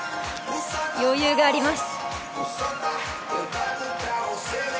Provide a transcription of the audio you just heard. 余裕があります。